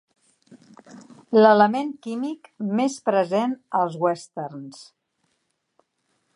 L'element químic més present als Westerns.